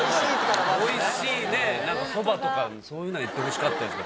おいしいね蕎麦とかそういうの行ってほしかった。